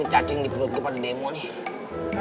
ini cacing di perut gue pada demo nih